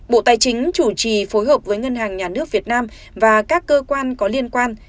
bộ tài chính chủ trì phối hợp với ngân hàng nhà nước việt nam và các cơ quan có liên quan